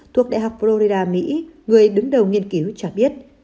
thuộc đại học florida mỹ người đứng đầu nghiên cứu cho biết